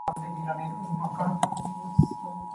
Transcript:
驚為天人呀